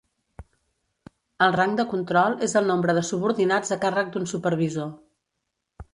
El rang de control és el nombre de subordinats a càrrec d'un supervisor.